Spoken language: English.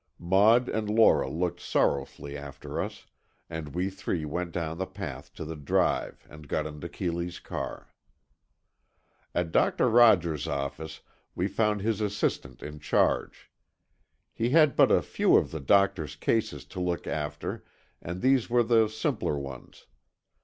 Maud and Lora looked sorrowfully after us, and we three went down the path to the drive and got into Keeley's car. At Doctor Rogers's office we found his assistant in charge. He had but a few of the doctor's cases to look after and these were the simpler ones.